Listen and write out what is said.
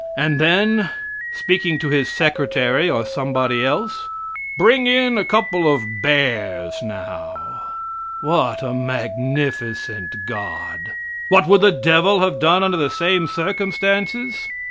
and then speaking to his secretary or somebody else, "Bring in a couple of bears now!" What a magnificent God! What would the devil have done under the same circumstances?